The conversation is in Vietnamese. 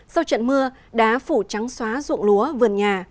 sau trận mưa đá phủ trắng xóa ruộng lúa vườn nhà